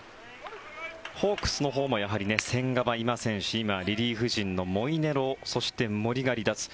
ホークスのほうもやはり千賀はいませんし今、リリーフ陣のモイネロそして森が離脱。